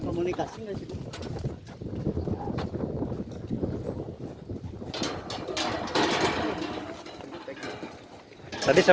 hari ini agendanya bu kemoda bu bu